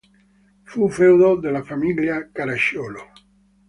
Fu feudo della famiglia Caracciolo.